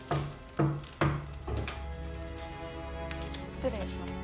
失礼します。